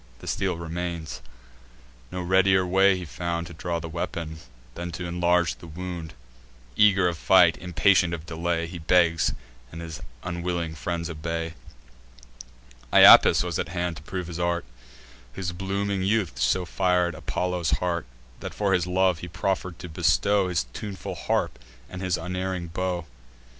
The steel remains. No readier way he found To draw the weapon, than t' inlarge the wound. Eager of fight, impatient of delay, He begs; and his unwilling friends obey. Iapis was at hand to prove his art, Whose blooming youth so fir'd Apollo's heart, That, for his love, he proffer'd to bestow His tuneful harp and his unerring bow.